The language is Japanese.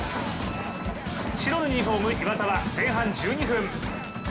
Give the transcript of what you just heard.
白のユニフォーム、磐田は前半１２分。